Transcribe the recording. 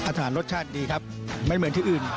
รสชาติดีครับไม่เหมือนที่อื่น